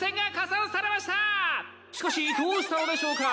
しかしどうしたのでしょうか。